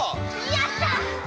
やった！